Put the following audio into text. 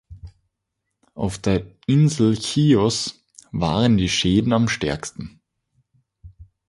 Auf der Insel Chios waren die Schäden am stärksten.